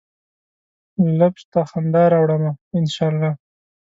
لفظ ته خندا راوړمه ، ان شا الله